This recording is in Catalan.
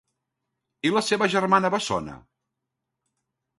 I la seva germana bessona?